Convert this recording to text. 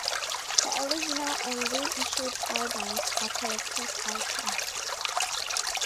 Her original and reissued albums are collector's items.